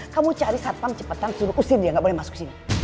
kamu cari satpam cepetan suruh usir dia gak boleh masuk kesini